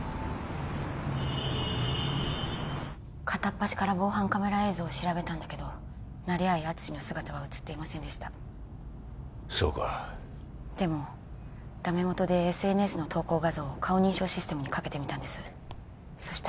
片っ端から防犯カメラ映像を調べたんだけど成合淳の姿は写っていませんでしたそうかでもダメ元でＳＮＳの投稿画像を顔認証システムにかけてみたんですそ